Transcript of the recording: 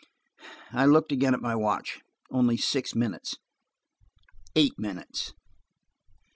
I looked again at my watch; only six minutes. Eight minutes.